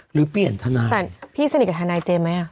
หรือเปลี่ยนทนายแต่พี่สนิทกับทนายเจมส์ไหมอ่ะ